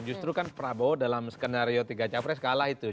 justru kan prabowo dalam skenario tiga capres kalah itu